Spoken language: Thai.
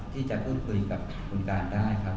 ที่จะพูดคุยกับคุณการได้ครับ